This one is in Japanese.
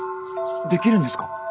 できるんですか？